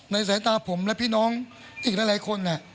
สายตาผมและพี่น้องอีกหลายคน